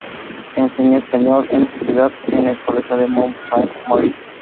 Enseñó español en esa ciudad, en el Colegio de Mount Saint Mary.